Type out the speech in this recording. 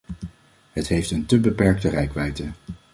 Het heeft een te beperkte reikwijdte.